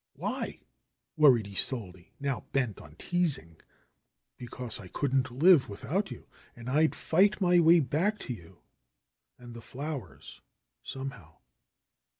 "Why ?" worried Isolde, now bent on teasing. ^Tecause I couldn't live without you, and I'd flght my way back to you and the flowers somehow."